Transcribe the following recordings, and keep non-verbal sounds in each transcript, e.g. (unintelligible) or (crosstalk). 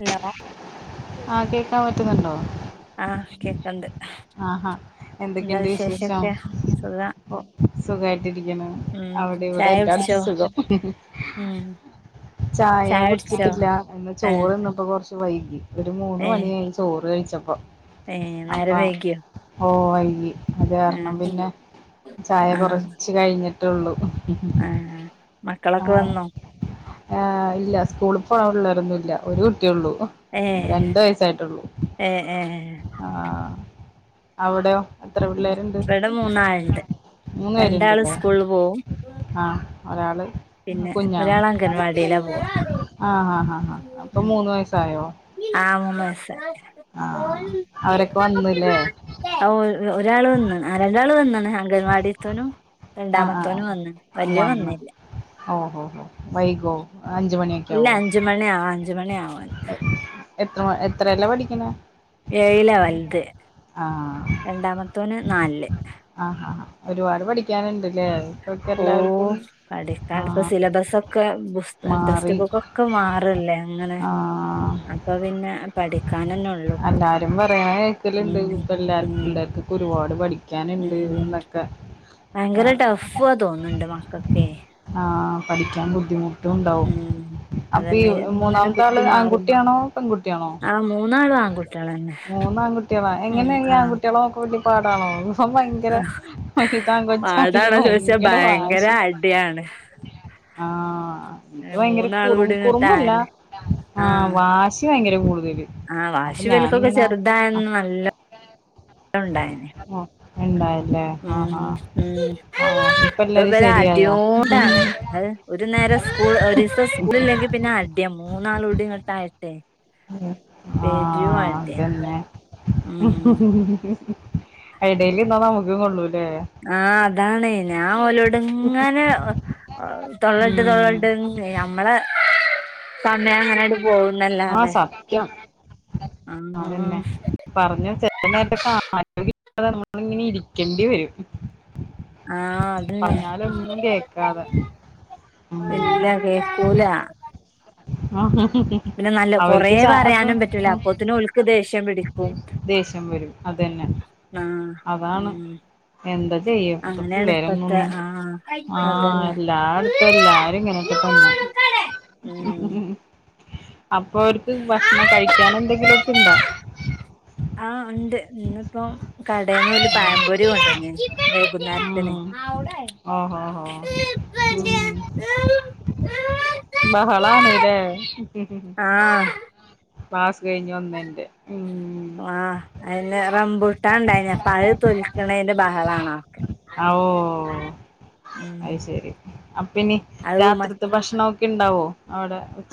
Hello ആ കേക്കാൻ പറ്റുന്നുണ്ടോ ആഹ് കേക്കണ്ട് ആ ആ എന്താ എന്തൊക്കെണ്ട് വിശേഷം വിശേഷൊക്കെ സുഖം സുഖാ യിട്ടിരിക്കണ്. ഉം അവിടെ ഇവിടെ ചായ കുടിച്ചോ എല്ലാർക്കും സുഖം ഉം ചായ കുടിച്ചിട്ടില്ല ഇന്ന് ആഹ് ചോറ് അപ്പൊ കൊറച്ച് വൈകി ഒരു മൂന്ന് മണിയായി ചോറ് കഴിച്ച ച്ചപ്പോ ഏ നേരം വൈകിയോ (unintelligible) അത് കാരണം പിന്നെ ആഹ് ചായ കൊറച്ച് കഴിഞ്ഞി റ്റുള്ളു ആ മക്കളൊക്കെ വന്നോ? ആ ഇല്ല സ്കൂളി പോണ പിള്ളേരൊന്നും ഇല്ല ഒരു ള്ളു ഏഹ് രണ്ടു വയസായിട്ടുള്ളൂ ഏഹ് ഏഹ് ആ അവിടെയോ എത്ര പിള്ളേരുണ്ട് ഇവിടെ മൂന്നാളുണ്ട് മൂന്ന് രണ്ടാള് പേരുണ്ടല്ലോ സ്കൂളിൽ പോവും ആ ഒരാള് പിന്നെ കുഞ്ഞാണോ ഒരാൾ അംഗൻവാടിയിലാ പോവാ ഇപ്പ മൂന്ന് വയസ്സായോ ആ മൂന്ന് വയസ്സ് ആഹ് അവരൊക്കെ വന്നില്ലേ ഒരാൾ വന്നാണ് ആ രണ്ടാൾ വന്നാണ് അംഗൻവാടിയത്തോനും ആഹ് ആഹ് രണ്ടാമത്തോനും വന്ന് വലിയോന് വന്നില്ല ഓ ഓ വൈഗോ ഇല്ല അഞ്ചുമണി ആവാ അഞ്ചുമണി ആവാാന് ത്ര എത്രല പഠിക്കണ ഏഴില വലത് ആഹ് രണ്ടാമത്തോന് നാല് ആ ഒരുപാട് പഠിക്കാനുണ്ട്ല്ലേ ഇപ്പൊക്കെ ഓ എല്ലാവർക്കും പഠിക്കാൻിപ്പൊ ആഹ് സിലബസ ഒക്കെസ് ടെക്സ്റ്റ് മാറി ബുക്കൊക്കെ മാറല്ലേ അങ്ങനെ ആഹ് അപ്പൊ പിന്നെ പഠിക്കാൻന്നെ ഉള്ളു ഇപ്പൊ എല്ലാരും പറയണ ഉം ഉം പഠിക്ക (unintelligible) ഉം ഭയങ്കര ടഫാ തോന്ന്ണ്ട് മക്കക്കെ ആ പഠിക്കാൻ ബുദ്ധിമുട്ടും ഉണ്ടാവും ഉം അതന്നെ ഇങ്ങനെ അപ്പഈമൂന്നാമത്തെ ആള് ബുക്ക് മാറുമ്പോ ആൺകുട്ടിയണോ പെൺകുട്ടിയാണോ ആഹ് മൂന്നാളും ആൺകുട്ടികളന്നെ മൂന്ന് ആൺകുട്ടികള ഉം എങ്ങനെയ ആൺകുട്ടികളെ നോക് ബു പാടാണോ സം ഭയങ്കര ഇതാൺ ആ കൊച്ചാണെങ്കി പാടാണോ ചോദിച്ചാ ഭയങ്കര വാശി അടിയാണ് ആ എനിക്ക് ഭയങ്കര കുറ മൂന്നാളും കൂടി ഇങ്ങട്ട് കുറുമ്പല്ല അയല് ആ വാശി ഭയങ്കര (unintelligible) ആ അപ്പൊ വാശി വിലക്കൊക്കെ ഞാനിങ്ങനെ ആ ചെറുതാന്ന് നല്ല ഉണ്ടായിന് ഓ ഉണ്ടായല്ലേ ആഹാ ഉം ഉം ആ ഇപ്പ ഇ എല്ലാരും വരെ ശരിയായാ അടിയോടാണ് അ ഒരു നേരം സ്കൂൾ ഒരുസം സ്കൂള ഇല്ലെങ്കിൽ പിന്നെ അടിയം മൂന്നാളൂടി ഉ (unintelligible) ആ അതന്നെ ഉം എടേല് ന്ന നമുക്ക കൊള്ളൂല ആഹഅതാണ് ഞാൻ ഒഓലോടുങ്ങനെ തൊള്ളട്ട് ഉം തൊള്ളട്ട് ഞമ്മളെ കണ്ണേയാ അങ്ങട് ആ പോവുന്നല്ലാതെ സത്യം അതന്നെ പറഞ്ഞു ചെ നേര (unintelligible) അ നമ്മളിങ്ങനെ ഇരിക്കേണ്ടി വരും ആഹ് അതന്നെ പറഞ്ഞാലൊന്നും കേക്കാതെ ഇല്ല കേകൂലാ ആ അവർക്ക് ച അപ്പൊ പറയാനും പറ്റൂല അപ്പോത്തിന് ഓൽക്ക് ദേഷ്യം പിടിക്കും ദേഷ്യം വരും അതെന്നെ ആഹ് അതാണ് ഉം എന്താ ചെയ്യ ഇപ്പത്തെ അങ്ങനെയാണ് ഇപ്പത്തെ പിള്ളേരന്നൊന്നും ആഹ് ആ അതന്നെ എല്ലാടത്തു എല്ലാരിങ്ങനൊക്കെ തന്നെ. ഉം അപ്പോർക്ക് ഭക്ഷണം കഴിക്കാനെന്തെങ്കിലൊക്കിണ്ടാ? ഒരു പയമ്പൊരി കൊണ്ട്ന്ന്യാ വൈകുന്നേരത്തിന് ഉം ഓഹോ ഹോ ഉം ബഹളാണ്ല്ലേ ആഹ് പാസ് ആ എന്നെ റമ്പൂട്ടാണ്ടായിനി അപ്പ തൊലിക്കണേന്റെ ബഹളാണ് ആ ഓ ഉം അത് ശരി അ മ കിണ്ടാവോ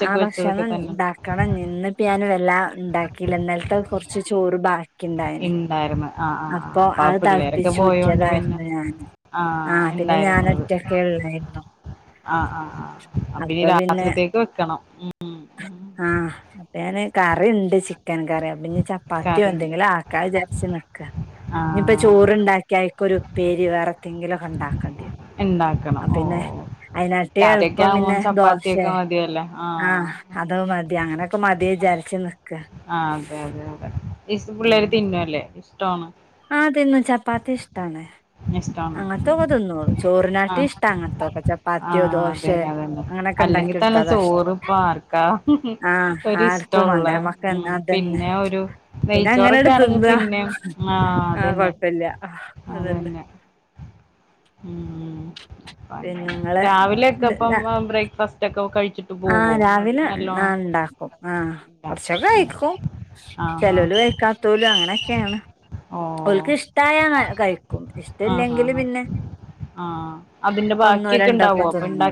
ആ ഭക്ഷണം ണ്ടാക്കണംഞ്ഞി ന്ന് ഇന്ന് ഞാൻ എല്ലാ ഇണ്ടാക്കില്ലിന്നൽത്തെ കൊർച്ച് ചോറ് ബാ ഇണ്ടായിര്ന്നു- ആഹ് ആഹ് ആഹ്, അപ്പാ അത് പിള്ളേരൊക്കെ പോയോണ്ട് പിന്നെ തളപ്പിച്ചൂറ്റിയതായിരുന്നു ഞാന് ആഹ് പിന്നെ ഞാൻ ഉണ്ടായിരുന്നൂത്. ഒറ്റക്കേ ഉള്ളായിരുന്നു ആഹ് ആഹ് ആഹ്, അപ്പീ അപ്പൊ പിന്നെ രാത്രിത്തേക്ക് വെക്കണം. ഉം. ആഹ് അപ്പ ഞാന് കറിണ്ട് ചിക്കൻ കറി അപ്പിഞ്ഞി ചപ്പാത്തിയോ കറിണ്ട് എന്തെങ്കിലും ആക്കാ വിചാര്ചിണ്. ക്ക ആ ഇഞ്ഞിപ്പ ചോറ്ണ്ടാക്ക്യയിക്കൊരു- പേരി വേറ കെങ്കിലൊക്കണ്ടാക്കണ്ടിരും ഇണ്ടാക്കണം ഓ അപ്പിന്നെ അയിനാട്ടി രാത്രിയൊക്കെ എളുപ്പം ആവുമ്പോ പിന്നെ ദോശെ, ചപ്പാത്തിയൊക്കെ മതിയല്ലേ ആഹ് ആ അതവ് മതി അങ്ങന പ്പം മതീ ജാരിച്ചിന്ന്. ആഹ് അതെയതെയതെ. ഇസ് പിള്ളേര് തിന്നുവല്ലേ? (unintelligible) ആതിന്ന് ചപ്പാത്തിഷ്ട്ടാണ്. ഇഷ്ടാണ് ഉം അങ്ങൻത്തൊക്കെ തിന്നൂ ആ ചോറിനാട്ടിഷ്ടാ അങ്ങൻത്തൊക്കെ ആ ചപ്പാത്തിയോ ദോശേ അതന്നെ അതന്നെ അല്ലെങ്കി തന്നെ അങ്ങനൊക്കിണ്ടാക്കിയൊടുത്തതാഷ്, ചോറ് ഇപ്പ ആർക്കാ ആഹ്, ആർക്കും ഒരിഷ്ടമുള്ള മാണ്ട മക്ക ഉം (unintelligible) അതന്നെ പിന്നെ ഒരു പിന്നങ്ങനാണ്ട് നെയ്ച്ചോറൊക്കെ ആണെങ്കി തിന്ന, പിന്നെ ആ ആഹ് അതന്നെ കൊഴപ്പില്ല അതെന്നെ. പിന്നെ നിങ്ങള് രാവിലെക്കെപ്പം മ ബ്രേക്ക്ഫാസ് (unintelligible) ആ രാവിലെ ഞാണ്ടാക്കും ആ കൊർ ചകൈക്കും ആ ആ ചേലോല് കൈകാതോലു അങ്ങനൊക്കെയാണ്. ഓ ഓൽകിഷ്ടായാ കൈക്കും ആ ആ ഇഷ്ട്ടില്ലെങ്കില് ആ പിന്നെ ആഹ് അതിന്റെ ഒന്നോ ബാക്കിയൊക്കെ ഉണ്ടാവോ രണ്ടോക്കെ തിന്നു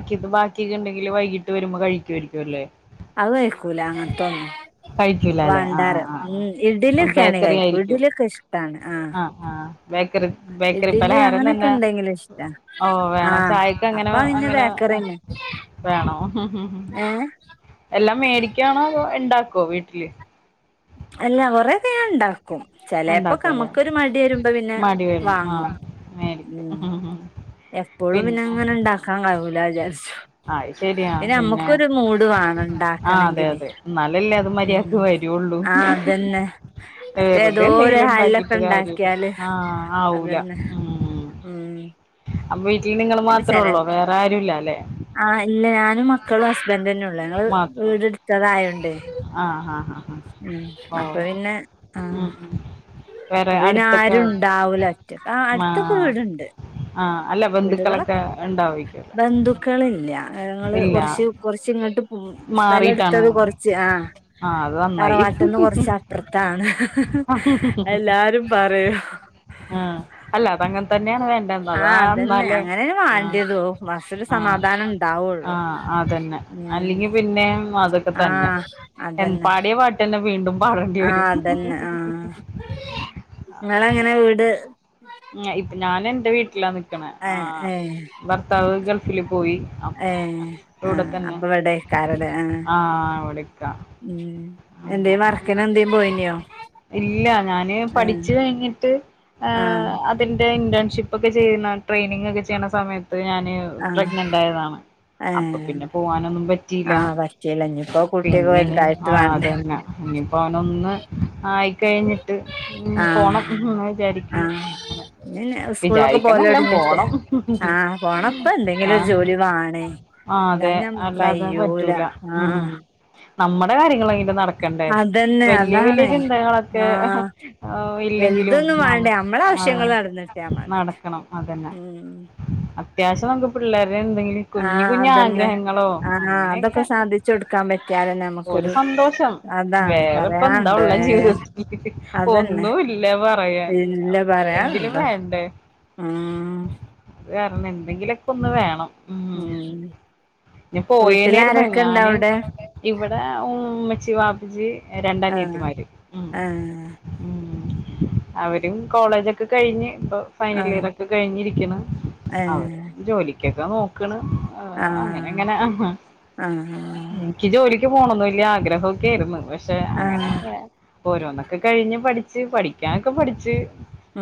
ട്ട് വരുമ്പോ കഴിക്കുവായിരിക്കുവല്ലേ അത് വെയ്ക്കൂല അങ്ങൻ കഴിക്കൂലല്ലേ ആഹ് ആഹ് വണ്ടാരം ആഹ് ഉം ആഹ് ഇഡിലൊക്കെയാണേ ബേക്കറി കയ്ക്കും ആയിരിക്കും ഇഡിലൊക്കെ ഇഷ്ടാണ് ആ വെക് കറി ബേക്കറി പലഹാരം തന്നെ ഉണ്ടെങ്കില് ഇഷ്ടാ ഓ വേണം ആഹ് ചായക്ക് അങ്ങനെ അപ്പൊ പിന്നെ അങ്ങനെ ബേക്കറിന്നെ വേണോ ഏഹ് എല്ലാം മേടിക്കാണോ അതോ ഇണ്ടാക്ക പോ വീട്ടലി അല്ലാ കൊറെേ ക്കെ യാണ്ടാവും ക്കും ചെലേപ്പോ ഉണ്ടാക്കുവല്ലേ നമുക്കൊരു മടി വരുമ്പോ പിന്നെ മടി വരും വാങ്ങും ആഹ് ഉം മേടിക്കും എപ്പോഴും പിന്നെ പിന്നങ്ങനെ ഉണ്ടാക്കാൻ കഴ (unintelligible) അത് ശരിയാ പിന്നെ അമ്മക്കൊരു മൂട് ആഹ് അതെ വേണണ്ടാക്കണെങ്കില് അതെ എന്നാലല്ലേ അത് ഉം മര്യാദക്ക് വരുള്ളൂ ആ അതെന്നെ മറ്റേ വെറുതെ തോ ഒരു എന്തെങ്കിലും ഹാലൊക്കെ ഉണ്ടാക്കിട്ട് കാര്യമില്ല ഉണ്ടാക്കിയാല് ആഹ് ആവൂല അതന്നെ ഉം അപ്പോ പിന്നെ ചെലർക്ക് ആ ഇല്ല ഞാനും മക്കളും ഹസ്ബൻഡ് തന്നെ ഒള ഞങ്ങള് മാത്രേ ഉള്ളൂ വീട് എടുത്തതായോണ്ടേ ആഹ് ആഹ് ആഹ് ആഹ് ഉം ഓ അപ്പ പിന്നെ ആ ഉം ഉം വേറെ അപ്പൊ പിന്നെ അടുത്തൊക്കെ ആരും ഇണ്ടാവൂല അറ്റ് ആ അടുത്തൊക്കെ ആഹ് വീടോണ്ട് ആഹ് അല്ല വീടുകളൊ ബന്ധുക്കളൊക്കെ ഉണ്ടാവരിക്കുംല്ലേ ബന്ധുക്കളില്ല ഞങ്ങള് ഇല്ല കുറച്ച് കൊറച്ച് ഇങ്ങോട്ട് ഉംസ്ഥലം മാറിട്ടാണ് എടുത്തത് കൊറച്ച് ആ ആഹ് അത് നന്നായി തറവാട്ട്ന്ന് കൊറച്ച് അപ്പുറത്താണ് എല്ലാരും പറയും ആ അല്ല തങ്ക (unintelligible) ആഹ് അതന്നെ ന്നാല്ലേ അങ്ങനെന്നെ ങാ വേണ്ടിയതോ മനസ്സില് ങാ സമാധാനം ഉണ്ടാവുള്ളു അതന്നെ ഉം അല്ലെങ്കിൽ പിന്നേം അത് തന്നെ ആഹ് എംപാടെ പാട്ടി ന വീണ്ടും പാടേണ്ടി ആ വരും അതന്നെ ആ നിങ്ങളെങ്ങനാ വീട് ഉം ഇപ്പ ഞാൻ എന്റെ വീട്ടിലാന്ന് കണെ ആ ഏഹ് ഏഹ് ഭർത്താവു ഗൾഫ് ഫിലും പോയി പ്പ ഏഹ് പ്പിവിടെ ആഹ് തന്നെ അപ്പൊ ഇവിടേക്കാരല്ലേ ആഹ് ആ ഇവിടിക്ക ഉം എന്തേ വർക്കിന് എന്തേം പോയിനിയോ ഇല്ല ഞാന് ആഹ് പഠിച്ച് കഴിഞ്ഞിട്ട് ആഹ് ആ അതിന്റെ ഇന്റേൺഷിപ്പ് ഒക്കെ ചെയ്യുന്ന ട്രെയിനിങ് ഒക്കെ ചെയ്യണ സമയത്ത് പ്പ ഞാന് ആഹ് പ്രഗ്നന്റ് ആയതാണ് അപ്പൊ ഏഹ് പിന്നെ പോവാനൊന്നും പറ്റിയില്ല ആഹ് പറ്റീല്ല ഇഞ്ഞിപ്പോ കുട്ടിയൊക്കെ പിന്ന വലുതായിട്ട് ആ വാണ്ടേ അതന്നെ ഇനിപ്പോ അവനൊന്ന് ആയിട്ട് കഴിഞ്ഞ് ഉം പോണം ന്ന് വിചാരിക്ക്ണ് പിന്നെ സ്കൂളൊക്കെ പോലോട് ങ്ങിക്കെ പോണം ആ പോണം പ്പ ആ ന്തെങ്കിലും ഒരു ജോലി വാണേ ആ ല്ലാ അതെ ഞാ അല്ലാതെ കയ്യൂല ങാ ഹ നമ്മുടെ കാര്യങ്ങളെ ക്കെ നടക്കണ്ടേ വല്ല്യ വല്യ അതാണേ ചിന്തകളൊക്കെ ആഹ് ഇല്ലെങ്കിലും ന വശ്യങ്ങൾ നടന്ന്ട്ട്യാ മതി അത്യാശം നമുക്ക് പിള്ളേ എന്തെങ്കിലും കുഞ്ഞ് ആഹ് കുഞ്ഞു അതന്നെ ആഗ്രഹങ്ങളോ ആഹ് അതൊക്കെ അങ്ങനെയൊക്കെ സാധിച്ചു കൊടുക്കാൻ പറ്റിയാലന്നെ ഒരു നമുക്കൊരു സന്തോഷം അതാണ് വേറെപ്പോന്താ പറയാണ്ടോ ഉള്ള ഏഹ് ജീവിതത്തില് അതന്നെ ഒന്നുല്ല പറയാൻ ഇല്ല എങ്കിലും പറയാനുണ്ടോ വേണ്ടേ ആഹ് അത് കാരണം എന്തെങ്കിലുമൊക്കെ ഒന്ന് വേണം ഉം വീട്ടിൽ പോയെന്നിരുന്നു ആരൊക്കെ ഇണ്ട് ഞാന് അവിടെ ഇവിടെ ഉമ്മച്ചി ബ ജ് ആഹ് രണ്ടനിയത്തിമാര് ആഹ് അവ കോളജൊക്കെ കഴിഞ്ഞ് ഇപ്പൊ ഫൈനൽ ആഹ് ഇയർ ഒക്കെ കഴിഞ്ഞിരിക്കണ് അവ ഏഹ് ജോലിക്ക് ക്കൊ ക്കെ നോക്കണ് ആ അങ്ങനെ ആഹ് അങ്ങനെ ആഹ് ആഹ് എനിക്ക് ജോലി ക്ക് പോണന്ന് വല്ല്യാഗ്രഹവൊക്കെയാർന് പക്ഷെ പക്ഷെ അങ്ങനെ ആഹ് ഓരോന്നൊക്കെ കഴിഞ്ഞ് പഠിച്ച് പഠിക്കാനൊക്കെ പഠിച്ചു (inaudible)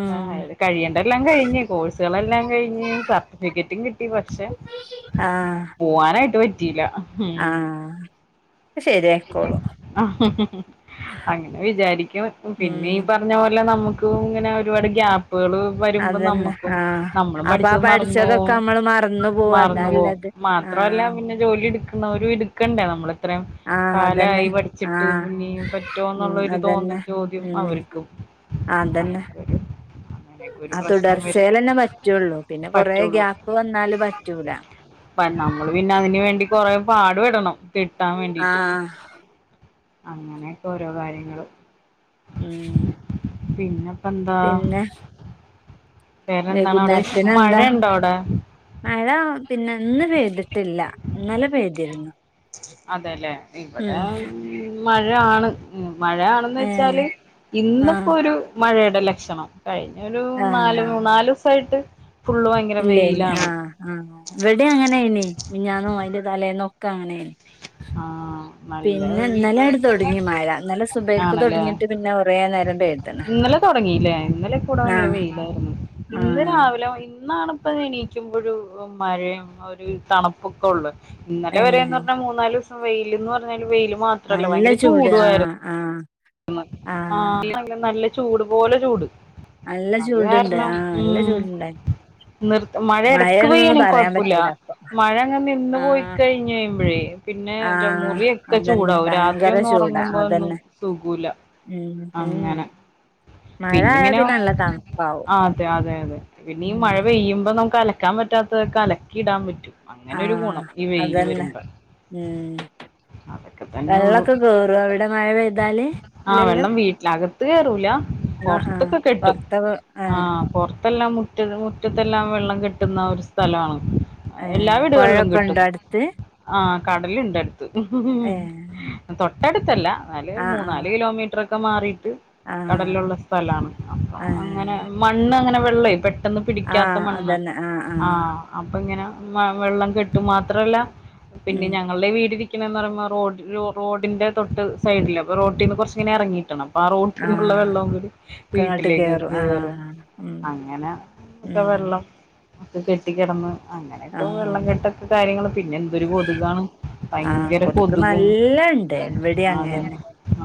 ഉം ആഹ് അത് കഴിയേണ്ടല്ലാം കഴിഞ്ഞ് കോഴ്സുകളെല്ലാം കഴിഞ്ഞ് സർട്ടിഫിക്കറ്റും കിട്ടി പക്ഷെ ആഹ് പോവാനായിട്ട് പറ്റി റ്റില്ല ആഹ് ശരിയായിക്കോളും അങ്ങനെ വിചാരിക്കും പിന്നെ ഉം ഈ പറഞ്ഞ പോലെ നമു ക്കും ഇങ്ങനെ ഒരുപാട് ഗ്യാപ്പ് പ്പുകള് വരുമ്പ അതന്നെ നമ്മുക്കും ആഹ് നമ്മളും അപ്പൊ ആ പഠിച്ചത് മറന്നു പഠിച്ചതൊക്കെ പോവും നമ്മള് മറന്നു പോവും മറന്നു പോവും അതാല്ലത് മാത്രവല്ല ആഹ് പിന്നെ ജോലി എടുക്കുന്നവര് എടുക്കണ്ടേ മ്മളത്ര ആഹ് അതന്നെ ആഹ് പിന്നെയും പറ്റുമോ ഉം എന്നുള്ളൊരു തോന്നൽ അതന്നെ ചോദ്യം ഉം അവർക്കും അതന്നെ അതൊക്കെ ഒരു അങ്ങനെയൊക്കെ ഒരു ആ പ്രശ്നം വരും തുടർച്ചൽന്നെ പറ്റുള്ളൂ പിന്നെ കൊറെ പറ്റുള്ളൂ. ഗ്യാപ്പ് വന്നാല് പറ്റൂല കൊറെ പാടുപെടണം കിട്ടാൻ വേണ്ടിട്ട്. ആഹ് അങ്ങനെയൊക്കെ ഓരോ കാര്യങ്ങളും ഉം പിന്നെ പ്പ ന്താ പിന്നെ വൈകുന്നേരത്തിന് എന്താ അവിടെ മഴ പിന്ന ഒന്ന് പെയ്തിട്ടില്ല ഇന്നലെ പെയ്തിരുന്നു അതെല്ലേ ഇവിടെ ഉം മഴ ആണ് മഴയാണെന്ന് ഏ വെച്ചാല് ഇന്നിപ്പോ ആഹ് ഒരു മഴ ലക്ഷണം കഴിഞ്ഞ ഒരു നാല് മൂന്നാല് സായിട്ട് ഇല്ലെ ആഹ് ആ ഇവിടെ അങ്ങനെ എനി മിഞ്ഞാന്നും അയിന്റെ തലേന്നോ ക്കങ്ങനെനി ആഹ നല്ല തൊടങ്ങി മഴ ഇന്നലെ സുബയ്ക്ക് ആണല്ലേ തൊടങ്ങിയിട്ട് പിന്നെ കൊറേ നേരം പെയ്ത്ണ് ഇന്നലെ തുടങ്ങില്ലേ ഇന്നലെ കൂടെ ഭയങ്കര ആഹ് വെയിലായിരുന്നു ഇന്ന് ആഹ് രാവിലെ ന്നാണപ്പ എനീക്കുമ്പോഴ മഴയും ഒരു തണുപ്പൊക്കെ ഉള്ള ഇന്നലെ വരന്ന് ഏഹ് പറഞ്ഞാൽ മൂന്നാല് സം വെയിലന്ന് പറഞ്ഞാല് വെയിലും നല്ല ചൂട് ആഹ ആഹ ആ നല്ല ചൂട് പോലെ ചൂട് നല്ല അത് ചൂടുണ്ട് ആഹ നല്ല ചൂടുണ്ടായി നിർ മഴ ഇടക്ക് മഴയാണെന്നൊന്നും പെയ്യാണെങ്കിൽ പറയാൻ കുഴപ്പില്ല പറ്റൂല അപ്പൊ മഴ അങ്ങ് നിന്ന് പോയി ആഹ് കഴിഞ്ഞ് കഴിയുമ്പോഴേ പിന്നെ ആഹ് മുറി ഒക്കെ അതന്നെ ചൂടാവും രാത്രി ഭയങ്കര ഒന്ന് ചൂടാ ഉറങ്ങുമ്പോ ഒന്നും അതന്നെ സുഗുല ഉം ഉം അങ്ങനെ മഴായാ പിന്നങ്ങനെ പിന്നെ നല്ല തണുപ്പാവും അതെ അതെ അതെ പിന്നെ ഉം മഴ പെയ്യുമ്പോ നമുക്ക് അലക്കാൻ പറ്റാത്ത അലക്കിയിടാൻ പറ്റും അങ്ങനെ ഒരു ആഹ ഗുണം ഈ വെയില് അതന്നെ വരുമ്പോ ഉം അതൊക്കെ തന്നെ ഉള്ളു വെള്ളമൊക്കെ കേയറും അവിടെ മഴ പെയ താല് ഇല്ലല്ല അകത്ത് കയറൂല പുറത്തൊക്കെ കെട്ടും പൊറത്തൊക്കെ ഏഹ് ആഹ പൊർ ത്തെല്ലാം മുറ്റ മുറ്റത്തെല്ലാം വെള്ളം കെട്ടുന്ന ഒരു സ്ഥലമാണ് ഏഹ് എല്ലാ വീടുകളിലും പൊഴൊക്കെ കിട്ടും ഉണ്ടോ അടുത്ത് ആ കടലുണ്ട് ഏഹ് തൊട്ടടുത്തല്ല നല് ആഹ് ആഹ് മൂന്നാല് കിലോമീറ്റർ ക്കെ മാറി് ആഹ് കടലുള്ള സ്ഥല അപ്പൊ അങ്ങനെ ഏഹ് മണ്ണ് അങ്ങെ ല്ല ഇ പെട്ടെന്ന് പിടിക്കാത്ത ആഹ് മണ്ണ് അതന്നെ ആഹ് ആ ആഹ് അപ്പ ഇങ്ങനെ വെള്ളം കെട്ട് മാത്രല്ല പിന്നെ ഉം ഞങ്ങളുടെ വീട് ന എന്ന് പറയുമോ റോഡ് റോഡിന്റെ തൊട്ട് സൈഡിൽ അപ്പോ റോട്ടീന്ന് കുറച്ച്ങ്ങനെ ഇറങ്ങിട്ടണം ആ റോട്ടിൽന്നുള്ള ആഹ് വെള്ളം കൂടി ഒക്കെ ഇങ്ങട്ട് വീട്ടിലേക്ക് കേറും കയറും ആഹ് ഉം അങ്ങനെക്കെ ഉം വെള്ളം നക്ക കെട്ടിക്കിടന്ന് അങ്ങനെയൊക്കെ ആഹ് വെള്ളംകെട്ടൊക്കെ കാര്യങ്ങള് പിന്നെ എന്തൊരു കൊതുകാണ് ആഹ് ഭയങ്കര കൊതുകും അങ്ങെ അതന്നെ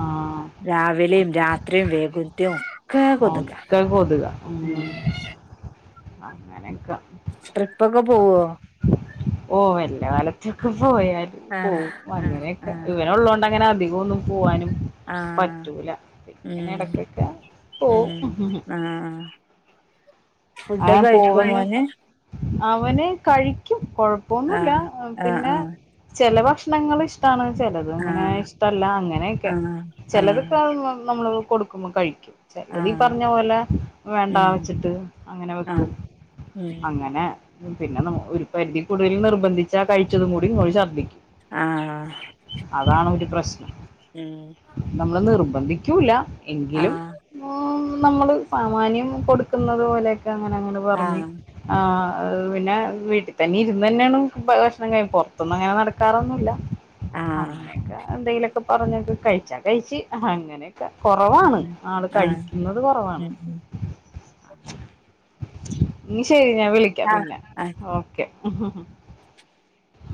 ആഹ് രാവിലെയും രാത്രിയും വേകത്വും ആക്ക കൊതുക ഉ അങ്ങനെയക്കെ ട്രിപ്പൊക്കെ പോവോ ഓ വല്ലകാലത്തക്കെ പോ ആഹ് പോവും ആഹ് അങ്ങനെയൊക്കെ ആഹ് ഇവനെ ഉള്ളതോണ്ട് അങ്ങനെ അധികം ഇോന്നും പോവാനും ആഹ് പറ്റൂല ഇങ്ങനെ ഉം ഇടക്കക്ക ഉം ആ ഫുടൊക്കെ അങ്ങനെ കഴിക്കുമോ മോനു പോകുന്ന അവന് കഴിക്കും കുഴപ്പൊന്നുമല്ല ആഹ് പിന്നെ ആഹ് ചെലവ ഭക്ഷണങ്ങൾ ഇഷ്ടമാണ് ചിലത് ഇങ്ങനെ ആഹ് ഇഷ്ടമല്ല അങ്ങനെയൊക്കെ ആഹ് ആഹ് ചിലതൊക്കെ നമ്മള് കൊടുക്കുമ്പോൾ കഴിക്കും ആഹ് ആഹ് ചെലതീപറഞ്ഞ പോലെ വേണ്ട ഉം വെച്ചിട്ട് അങ്ങനെ വെക്കും ആഹ് ഉം അങ്ങനെ പിന്നെ ന ഒരു പരിധി കൂടുതൽ നിർബന്ധിച്ച കഴിച്ചതും കൂടിയതും കൂടി ഇങ്ങോട്ടു ശർദ്ദിക്കും ആ നമ്മ നിർ ബന്ധിക്കൂല എങ്കിലും ആഹ് മ് നമ്മള് സാമാന്യം കൊടുക്കുന്നത് പോലെ അങ്ങനങ്ങനെ പറഞ്ഞ്. ആഹ് ആ അത് പിന്ന വീട്ടിൽ തന്നെ ഇരുന്നന്നെണ് ഭക്ഷണം കയി പൊറത്ത്ന്നങ്ങനെ നടക്കാറൊന്നുല്ല ആഹ് അങ്ങനെയൊക്കെ എന്തേലൊക് പറഞ്ഞത്. കഴിച്ചാ കഴിച്ച്. ഹങ്ങനെക്കെ കൊറവാണ് ഉം ആള് ആഹ് കഴിക്ക്ന്നത് കൊറവാണ് ഉം ഉം ന്ന ശരി ഞാൻ വിളിക്കാ പിന്നെ. ആഹ് ഓക്കെ ആഹാ ഹാ